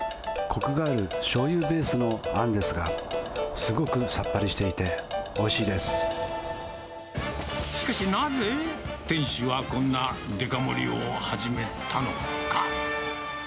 こくがあるしょうゆベースのあんですが、すごくさっぱりしていてしかしなぜ、店主はこんなデカ盛りを始めたのか。